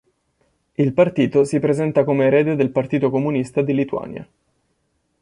Il partito si presenta come erede del Partito Comunista di Lituania.